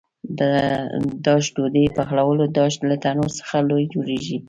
د داش ډوډۍ پخولو داش له تنور څخه لوی جوړېږي.